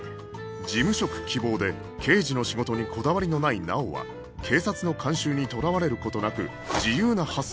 事務職希望で刑事の仕事にこだわりのない直央は警察の慣習にとらわれる事なく自由な発想で事件を捜査